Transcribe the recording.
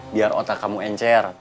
biar otak kamu encer